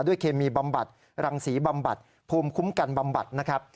เคมีบำบัดรังศรีบำบัดภูมิคุ้มกันบำบัดนะครับ